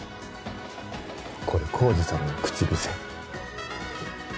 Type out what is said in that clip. これ晃司さんの口癖。